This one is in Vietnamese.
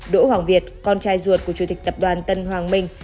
đỗ hoàng việt con trai ruột của chủ tịch tập đoàn tân hoàng minh